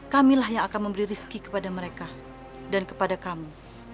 kamilah yang akan memberi rizki kepada mereka dan kepada kami